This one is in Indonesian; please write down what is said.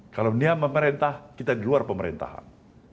kalau dia memerintah kita di luar pemerintahan